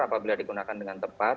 apabila digunakan dengan tepat